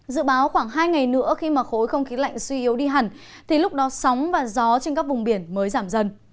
dự báo khoảng hai ngày nữa khi mà khối không khí lạnh suy yếu đi hẳn thì lúc đó sóng và gió trên các vùng biển mới giảm dần